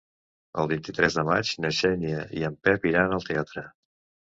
El vint-i-tres de maig na Xènia i en Pep iran al teatre.